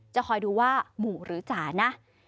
จะคอยดูว่าหมู่หรือจ๋านะ